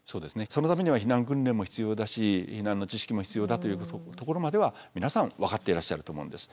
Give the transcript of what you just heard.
そのためには避難訓練も必要だし避難の知識も必要だというところまでは皆さん分かっていらっしゃると思うんです。